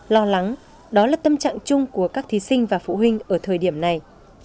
lo lắng đó là tâm trạng chung của các thí sinh và phụ huynh ở thời điểm này